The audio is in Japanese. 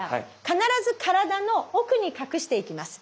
必ず体の奥に隠していきます。